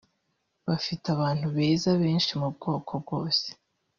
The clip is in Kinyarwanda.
Dufite abantu beza benshi mu bwoko bwose